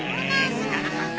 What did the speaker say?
知らなかったな。